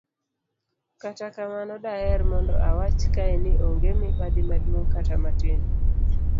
kata kamano, daher mondo awach kae ni onge mibadhi maduong' kata matin